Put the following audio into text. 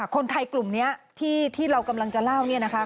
คนไทยกลุ่มนี้ที่เรากำลังจะเล่าเนี่ยนะคะ